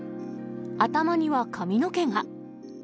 頭には髪の毛が。